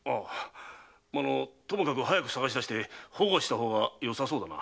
ともかく早く捜し出して保護した方がよさそうだな。